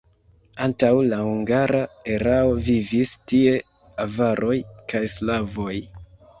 Antaŭ la hungara erao vivis tie avaroj kaj slavoj.